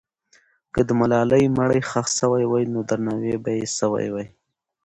که د ملالۍ مړی ښخ سوی وي، نو درناوی به یې سوی وي.